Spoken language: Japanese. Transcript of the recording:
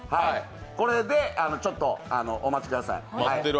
これでちょっとお待ちください。